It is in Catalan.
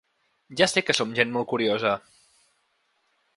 Ja sé que som gent molt curiosa.